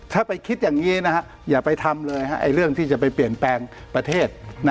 ถ้าไปคิดอย่างนี้อย่าไปทำเลยเรื่องที่จะไปเปลี่ยนแปลงประเทศ